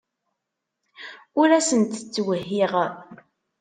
Ur asent-ttwehhiɣ.